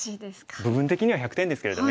部分的には１００点ですけれどね。